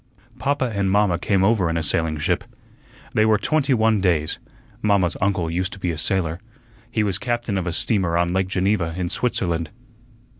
"Papa and mamma came over in a sailing ship. They were twenty one days. Mamma's uncle used to be a sailor. He was captain of a steamer on Lake Geneva, in Switzerland."